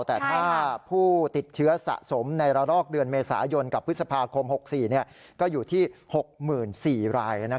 แต่ถ้าผู้ติดเชื้อสะสมในระลอกเดือนเมษายนกับพฤษภาคม๖๔ก็อยู่ที่๖๔ราย